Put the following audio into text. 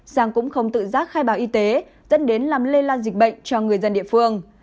sang cũng không tự giác khai báo y tế dẫn đến làm lây lan dịch bệnh cho người dân địa phương